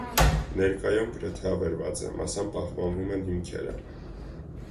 Ներկայում գրեթե ավերված է, մասամբ պահպանվում են հիմքերը։